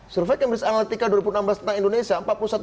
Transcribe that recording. survei kementerian analitika dua ribu enam belas tentang indonesia